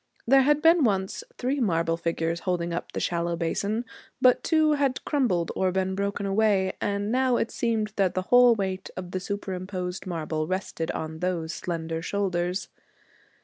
There had been once three marble figures holding up the shallow basin, but two had crumbled or been broken away, and now it seemed that the whole weight of the superimposed marble rested on those slender shoulders.